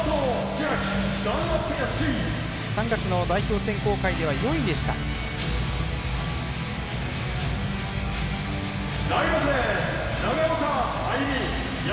３月の代表選考会では４位でした、山本。